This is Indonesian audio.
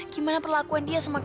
gimana perlakuan dia sama